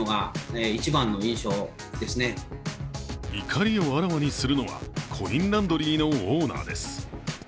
怒りをあらわにするのはコインランドリーのオーナーです。